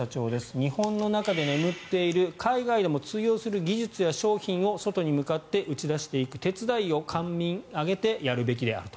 日本の中で眠っている海外でも通用する技術や商品を外に向かって打ち出していく手伝いを官民挙げてやるべきであると。